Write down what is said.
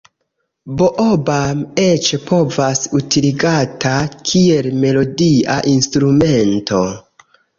Boo-bam eĉ povas utiligata kiel melodia instrumento.